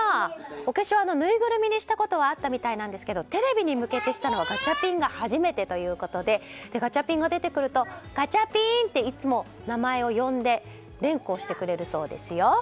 お化粧、ぬいぐるみにしたことはあったみたいなんだけどテレビに向けてしたのはガチャピンが初めてということでガチャピンが出てくるとガチャピン！っていつも名前を呼んで連呼してくれるそうですよ。